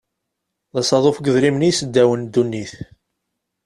D asaḍuf n yidrimen i yesseddawen ddunit.